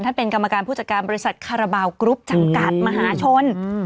เป็นกรรมการผู้จัดการบริษัทคาราบาลกรุ๊ปจำกัดมหาชน